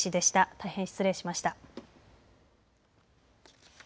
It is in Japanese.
大変失礼しました。